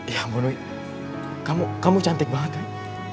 ibu nuy kamu cantik banget